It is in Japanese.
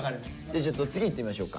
ちょっと次いってみましょうか。